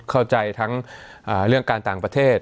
เข้าใจทั้งเรื่องการต่างประเทศ